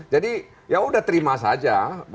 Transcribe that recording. jadi ya sudah terima saja